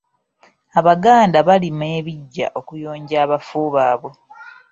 Abaganda balima ebiggya okuyonja abafu baabwe.